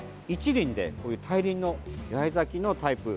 １輪で大輪の八重咲きのタイプ。